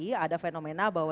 di satu sisi ada fenomena bahwa